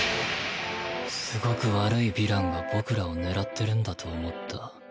すごく悪いヴィランが僕らを狙ってるんだと思った。